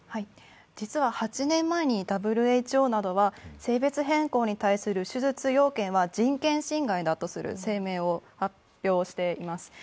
実は８年前にＷＨＯなどは、性別変更に対する手術要項は人権侵害だという声明を発表しています。